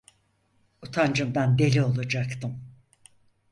Utancımdan deli olacaktım.